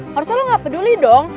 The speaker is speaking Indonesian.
harusnya lo nggak peduli dong